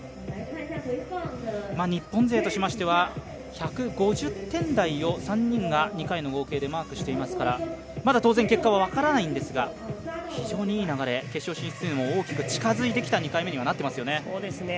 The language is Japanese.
日本勢としましては１５０点台を３人が２回の演技でマークしていますからまだ、当然結果は分からないんですが非常にいい流れ決勝進出にも大きく近づいてきた２回目になりますよね。